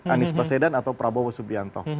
anies baswedan atau prabowo subianto